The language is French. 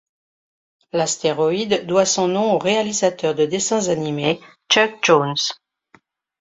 L'astéroïde doit son nom au réalisateur de dessins animés Chuck Jones.